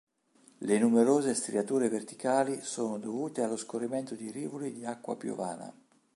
Le numerose striature verticali sono dovute allo scorrimento di rivoli di acqua piovana.